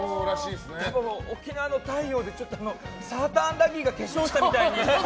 沖縄の太陽でちょっとサーターアンダギーが化粧したみたいに。